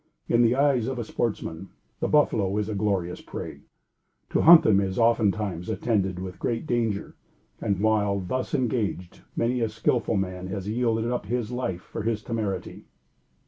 In the eyes of a sportsman, the buffalo is a glorious prey. To hunt them is oftentimes attended with great danger; and, while thus engaged, many a skillful man has yielded up his life for his temerity.